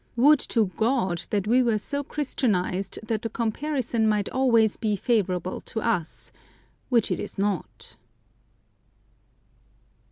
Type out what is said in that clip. Would to God that we were so Christianised that the comparison might always be favourable to us, which it is not!